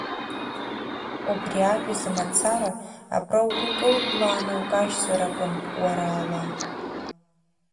Убри ажәазы мацара абра угәы кылблааны укажьзар акәын, уара ала.